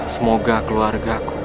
semoga keluarga aku